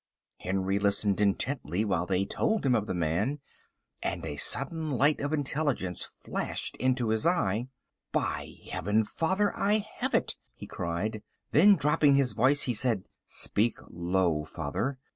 Henry listened intently while they told him of the man, and a sudden light of intelligence flashed into his eye. "By Heaven, father, I have it!" he cried. Then, dropping his voice, he said, "Speak low, father.